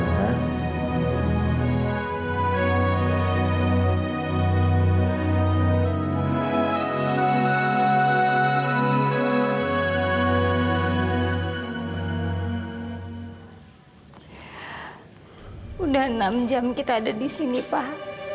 sudah enam jam kita ada di sini pak